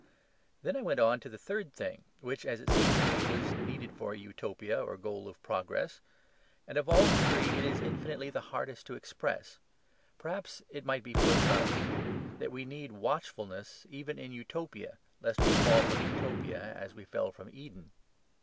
Then I went on to the third thing, which, as it seemed to me, was needed for an Utopia or goal of progress. And of all the three it is infinitely the hardest to express. Perhaps it might be put thus: that we need watchfulness even in Utopia, lest we fall from Utopia as we fell from Eden.